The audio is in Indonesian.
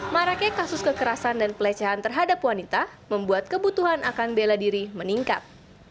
marakek kasus kekerasan dan pelecehan terhadap wanita membuat kebutuhan akan bela diri meningkat